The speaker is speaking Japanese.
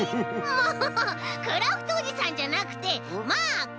もうクラフトおじさんじゃなくてマーク！